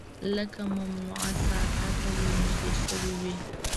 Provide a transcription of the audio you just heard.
لکه ممنوعه ساحې ته ورنژدې شوی وي